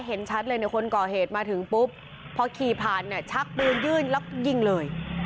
เห็นชัดเลยเนี่ยคนก่อเหตุมาถึงปุ๊บพอขี่ผ่านเนี่ยชักปืนยื่นแล้วยิงเลย